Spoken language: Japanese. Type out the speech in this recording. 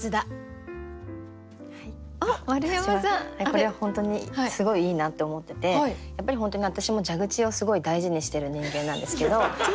これは本当にすごいいいなって思っててやっぱり本当に私も蛇口をすごい大事にしてる人間なんですけど。